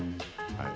はい。